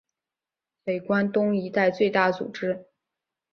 北关东一带最大组织。